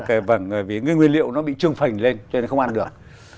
bởi vì là nguyên liệu nó bị trương phành lên cho nên không ăn được